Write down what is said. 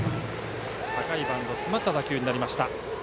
高いバウンド詰まった打球になりました。